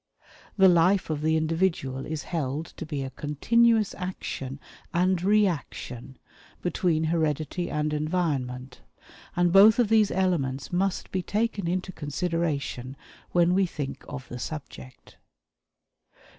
The life of the individual is held to be a continuous action and reaction between heredity and environment, and both of these elements must be taken into consideration when we think of the subject.